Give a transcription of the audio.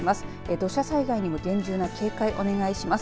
土砂災害にも厳重な警戒お願いします。